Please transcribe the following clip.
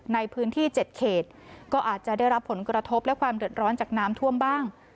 ในพื้นที่๗เขตก็อาจจะได้รับผลกระทบและความเดือดร้อนจากน้ำท่วมบ้าง